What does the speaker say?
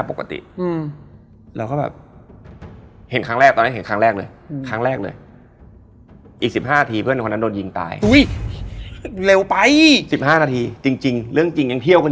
พี่แอนชี้นกชี้ไม้